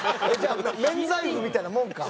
免罪符みたいなもんか。